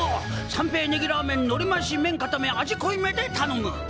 三平ねぎラーメンのりましめんかため味こいめでたのむ！